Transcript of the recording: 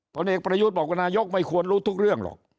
ผลเอกประยุทธ์บอกว่านายกไม่ควรรู้ทุกเรื่องหรอก